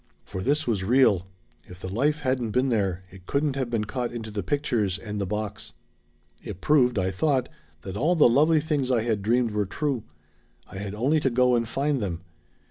For this was real if the life hadn't been there it couldn't have been caught into the pictures and the box. It proved I thought that all the lovely things I had dreamed were true. I had only to go and find them.